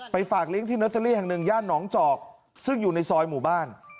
ฝากเลี้ยงที่เนอร์เตอรี่แห่งหนึ่งย่านหนองจอกซึ่งอยู่ในซอยหมู่บ้าน